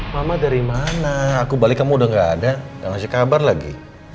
mama dari mana aku balik kamu udah gak ada ngasih kabar lagi